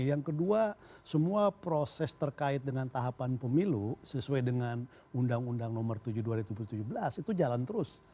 yang kedua semua proses terkait dengan tahapan pemilu sesuai dengan undang undang nomor tujuh dua ribu tujuh belas itu jalan terus